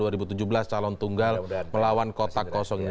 tahun dua ribu tujuh belas calon tunggal melawan kotak kosong ini